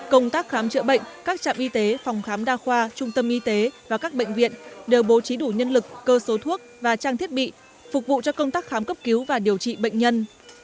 công tác khám chữa bệnh các trạm y tế phòng khám đa khoa trung tâm y tế và các bệnh viện đều bố trí đủ nhân lực cơ số thuốc và trang thiết bị phục vụ cho công tác khám cấp cứu và điều trị bệnh nhân